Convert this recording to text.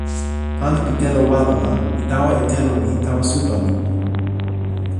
pana pi telo walo la, mi tawa e telo mi tawa supa mi.